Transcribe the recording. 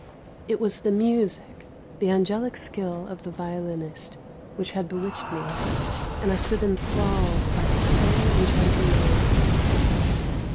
It was the music, the angelic skill of the violinist, which had bewitched me, and I stood enthralled by that soul entrancing melody.